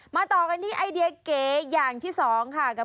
ต่อกันที่ไอเดียเก๋อย่างที่สองค่ะ